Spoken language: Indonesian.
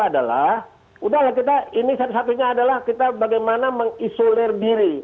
adalah ini satu satunya adalah kita bagaimana mengisolir diri